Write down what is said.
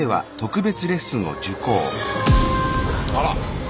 あら！